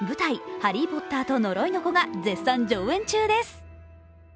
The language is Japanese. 「ハリー・ポッターと呪いの子」が絶賛上映中です。